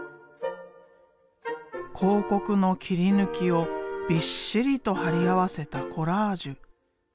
広告の切り抜きをびっしりと貼り合わせたコラージュ。